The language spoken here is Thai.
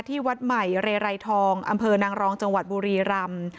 ที่วัดใหม่เรไรทองอำเภอนางรองจังหวัดบุรีรำ